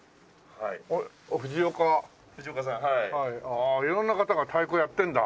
ああ色んな方が太鼓やってんだ。